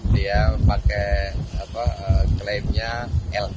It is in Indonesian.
dia pakai klaimnya lk